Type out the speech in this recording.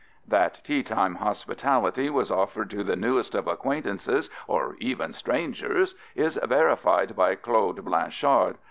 " That teatime hospitality was offered to the newest of acquaintances or "even strangers" is verified by Claude Blanchard.